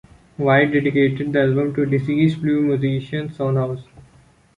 White dedicated the album to deceased blues musician Son House.